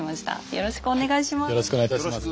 よろしくお願いします。